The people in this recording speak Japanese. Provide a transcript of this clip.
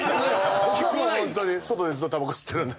僕はホントに外でずっとタバコ吸ってるんで。